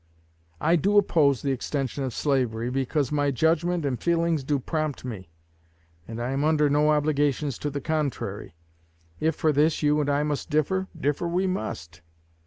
I do oppose the extension of slavery, because my judgment and feelings so prompt me; and I am under no obligations to the contrary. If for this you and I must differ, differ we must.